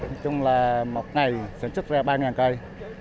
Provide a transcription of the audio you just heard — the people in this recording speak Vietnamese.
nói chung là một ngày sản xuất ra ba cây